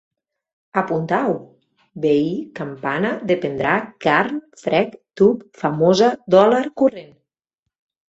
Apuntau: veí, campana, dependrà, carn, frec, tub, famosa, dòlar, corrent